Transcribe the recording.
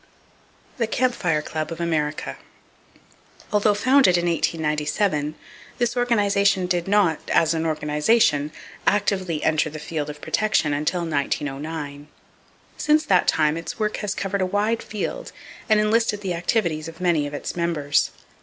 The Camp Fire Club Of America. —Although founded in 1897, this organization did not, as an organization, actively enter the field of protection until 1909. Since that time its work has covered a wide field, and enlisted the activities of many of its members.